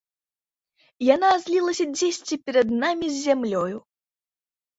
Яна злілася дзесьці перад намі з зямлёю.